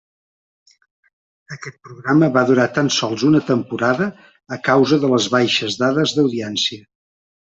Aquest programa va durar tan sols una temporada, a causa de les baixes dades d'audiència.